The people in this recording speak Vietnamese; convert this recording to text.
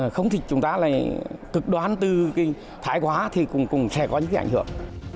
không thì chúng ta lại cực đoán từ cái thái quá thì cũng sẽ có những cái ảnh hưởng